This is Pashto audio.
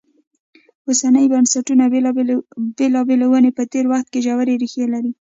اوسنیو بنسټونو بېلابېلې ونې په تېر وخت کې ژورې ریښې لري.